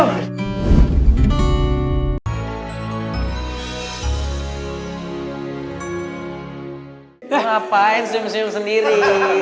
ngapain senyum senyum sendiri